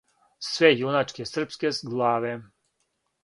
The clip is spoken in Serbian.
Све јуначке српске главе.